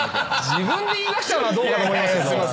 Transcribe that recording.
自分で言いだしちゃうのはどうかと思いますけど。